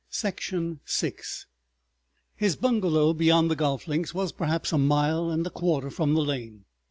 § 6 His bungalow beyond the golf links was, perhaps, a mile and a quarter from the lane.